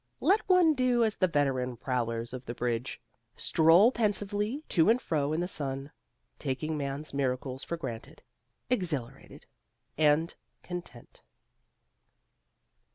Let one do as the veteran prowlers of the bridge: stroll pensively to and fro in the sun, taking man's miracles for granted, exhilarated and content.